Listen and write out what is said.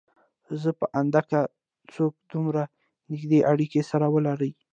زما په اند که څوک دومره نيږدې اړکې سره ولري